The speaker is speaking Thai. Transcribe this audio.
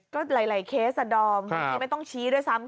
ก็หลายเคสอ่ะดอมบางทีไม่ต้องชี้ด้วยซ้ำ